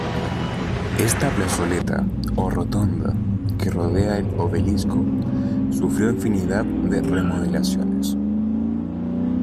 Esta plazoleta, o rotonda, que rodea el obelisco, sufrió infinidad de remodelaciones.